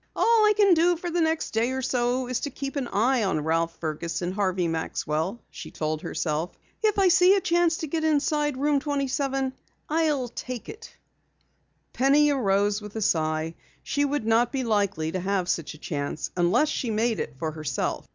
"All I can do for the next day or so is to keep an eye on Ralph Fergus and Harvey Maxwell," she told herself. "If I see a chance to get inside Room 27 I'll take it." Penny arose with a sigh. She would not be likely to have such a chance unless she made it for herself.